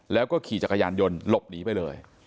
แล้วก็ขี่จักรยานยนต์หลบหนีไปเลย